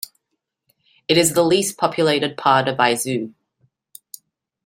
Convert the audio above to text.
It is the least populated part of Aizu.